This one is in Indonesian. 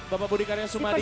bapak budi karya sumadi